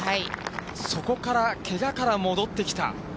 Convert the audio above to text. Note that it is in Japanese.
そこから、けがから戻ってきた。